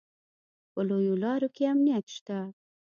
په لویو لارو کې امنیت شته